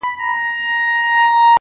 چا راوستي وي وزګړي او چا مږونه-